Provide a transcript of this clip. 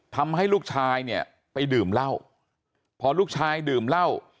ทำให้ลูกชายเนี่ยไปดื่มเหล้าพอลูกชายดื่มเหล้า